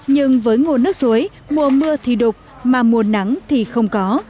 nhưng với nguồn nước suối mùa mưa thì đục mà mùa nắng thì không có